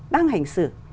đang hành xử